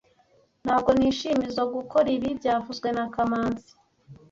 Ntabwo nishimizoe gukora ibi byavuzwe na kamanzi